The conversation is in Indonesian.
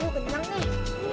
oh kenyang nih